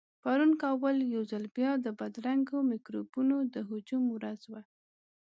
پرون کابل يو ځل بيا د بدرنګو مکروبونو د هجوم ورځ وه.